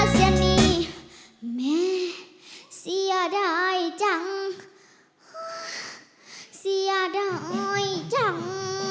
เสียดายจัง